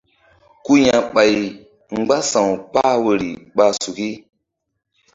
Ku ya̧ ɓay mgbása̧w kpah woyri ɓa suki.